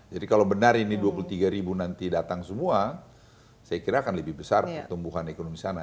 jadi kalau benar ini dua puluh tiga ribu nanti datang semua saya kira akan lebih besar pertumbuhan ekonomi sana